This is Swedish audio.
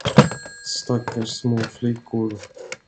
Stackars små flickor.